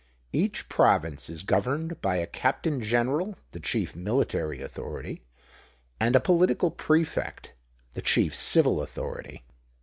Each province is governed by a Captain General (the chief military authority), and a Political Prefect, (the chief civil authority).